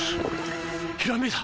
ひらめいた！